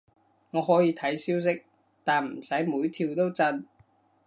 我可以睇消息，但唔使每條都震